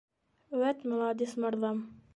- Вәт маладис, мырҙам!